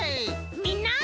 みんな。